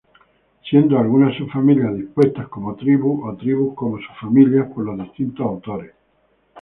Siendo algunas subfamilias dispuestas como tribus o tribus como subfamilias por los distintos autores.